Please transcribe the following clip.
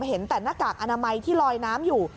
เห็นแต่หน้ากากอนามัยที่ลอยน้ำอยู่